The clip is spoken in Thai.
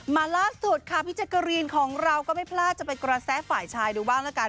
ล่าสุดค่ะพี่แจ๊กกะรีนของเราก็ไม่พลาดจะไปกระแสฝ่ายชายดูบ้างละกัน